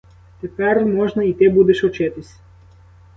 Тепер можна, і ти будеш учитись.